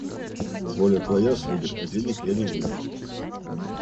Воля твоя, сударь, а денег я не выдам».